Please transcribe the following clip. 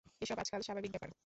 এসব আজকাল স্বাভাবিক ব্যাপার।